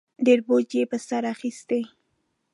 ډېر بوج یې په سر اخیستی